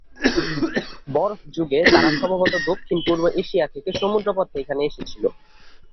বরফ যুগে, তারা সম্ভবত দক্ষিণ-পূর্ব এশিয়া থেকে সমুদ্রপথে এখানে এসেছিল।